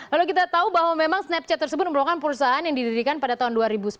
lalu kita tahu bahwa memang snapchat tersebut merupakan perusahaan yang didirikan pada tahun dua ribu sepuluh